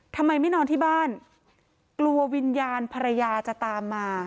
ทำไมไม่นอนที่บ้านกลัววิญญาณภรรยาจะตามมา